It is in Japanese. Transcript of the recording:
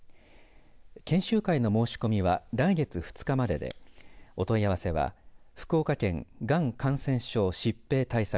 研修会の申し込みは来月２日まででお問い合わせは福岡県がん感染症疾病対策